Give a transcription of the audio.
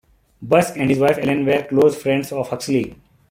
Busk and his wife Ellen were close friends of Huxley.